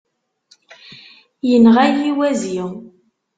Inɣa-yi wazi.